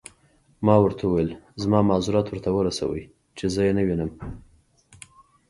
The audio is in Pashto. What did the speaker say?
ما ورته وویل: زما معذرت ورته ورسوئ، چې زه يې نه وینم.